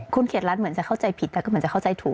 คุณเขตรัฐเหมือนจะเข้าใจผิดแต่ก็เหมือนจะเข้าใจถูก